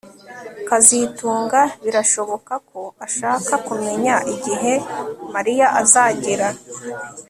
kazitunga birashoboka ko ashaka kumenya igihe Mariya azagera